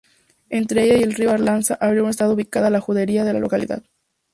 Entre ella y el río Arlanza habría estado ubicada la judería de la localidad.